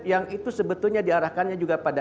yang itu sebetulnya diarahkannya juga pada